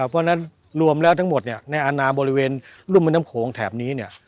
เพราะนะทั้งหมดเนี่ยรวมแล้วในอนาบริเวณรุ่นน้ำโขลงแถบนี้เนี่ย